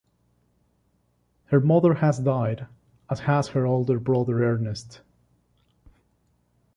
Her mother has died as has her older brother Ernest.